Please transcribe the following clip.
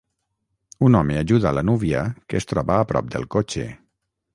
Un home ajuda la núvia que es troba a prop del cotxe.